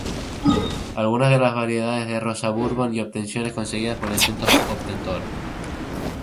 Algunas de las variedades de rosa Bourbon y obtenciones conseguidas por distintos obtentores.